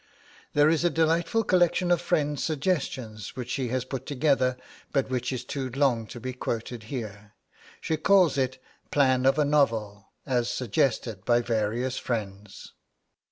There is a delightful collection of friends' suggestions which she has put together, but which is too long to be quoted here. She calls it, 'Plan of a Novel, as suggested by various Friends.'